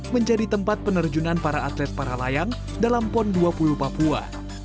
menjadi tempat penerjunan para atlet para layang dalam pon dua puluh papua